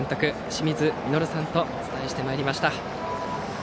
清水稔さんとお伝えしてまいりました。